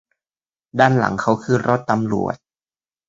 ด้านหลังเขาคือรถตำรวจ